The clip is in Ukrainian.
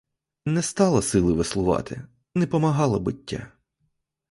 Не стало сили веслувати, не помагало биття.